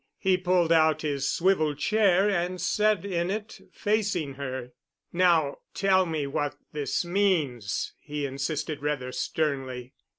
He pulled out his swivel chair and sat in it, facing her. "Now tell me what this means," he insisted rather sternly.